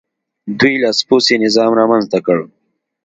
دوی لاسپوڅی نظام رامنځته کړ.